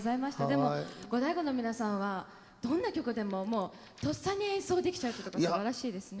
でもゴダイゴの皆さんはどんな曲でもとっさに演奏できちゃうってとこすばらしいですね。